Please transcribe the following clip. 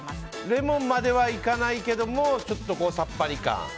レモンまではいかないけどちょっとさっぱり感。